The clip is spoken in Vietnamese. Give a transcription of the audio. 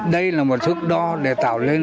đây là một sức đo để tạo lên